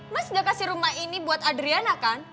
ma sudah kasih rumah ini buat adriana kan